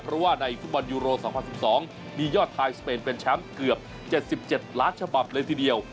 เพราะว่าในฟุตบอลยูโรสองความสิบสองมียอดทายสเปนเป็นแชมป์เกือบเจ็ดสิบเจ็ดล้านฉบับเลยทีเดียว